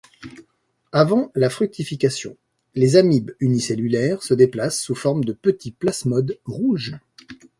Avant la fructification, les amibes unicellulaires se déplacent sous forme de petits plasmodes rouges.